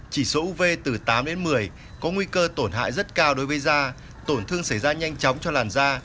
chỉ số uv từ tám đến một mươi có nguy cơ tổn hại rất cao đối với da tổn thương xảy ra nhanh chóng cho làn da